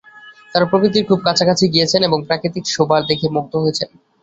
তাঁরা প্রকৃতির খুব কাছাকাছি গিয়েছেন এবং প্রাকৃতিক শোভা দেখে মুগ্ধ হয়েছেন।